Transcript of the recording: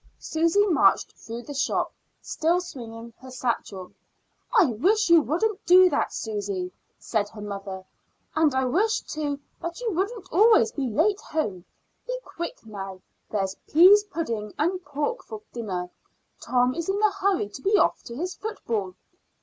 Susy marched through the shop, still swinging her satchel. "I wish you wouldn't do that, Susy," said her mother. "And I wish, too, that you wouldn't always be late home. Be quick now; there's pease pudding and pork for dinner. Tom is in a hurry to be off to his football."